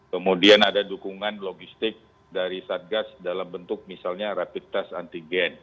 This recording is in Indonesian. kemudian ada dukungan logistik dari satgas dalam bentuk misalnya rapid test antigen